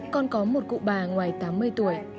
còn có một cụ bà ngoài tám mươi tuổi